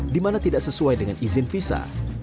di mana tidak sesuai dengan izin visa